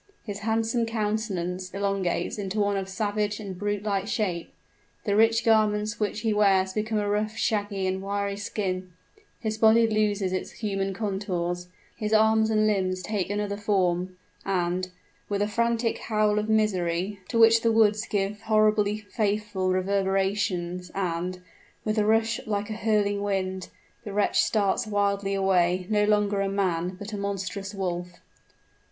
His handsome countenance elongates into one of savage and brute like shape; the rich garments which he wears become a rough, shaggy, and wiry skin; his body loses its human contours, his arms and limbs take another form; and, with a frantic howl of misery, to which the woods give horribly faithful reverberations, and, with a rush like a hurling wind, the wretch starts wildly away, no longer a man, but a monstrous wolf!